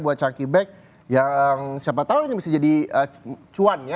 buat chucky beck yang siapa tau ini bisa jadi cuan ya